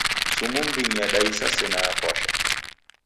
Sumu m'mbinyi yadaisa sena yafwasha.